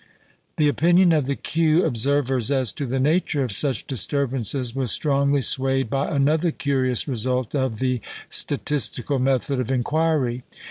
The opinion of the Kew observers as to the nature of such disturbances was strongly swayed by another curious result of the "statistical method" of inquiry.